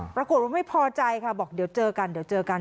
ปรากฏว่าไม่พอใจค่ะบอกเดี๋ยวเจอกันเดี๋ยวเจอกัน